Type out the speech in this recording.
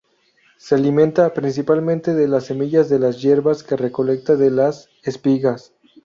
Se alimenta principalmente de las semillas de las hierbas que recolecta de las espigas.